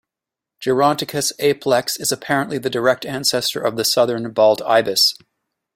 Geronticus apelex is apparently the direct ancestor of the southern bald ibis.